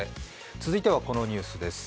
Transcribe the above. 続いてはこのニュースです。